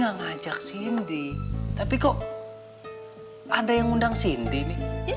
oh harusnya sven